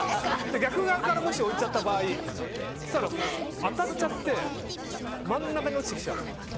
逆側からもし来ちゃった場合当たっちゃって真ん中に落ちてきちゃう。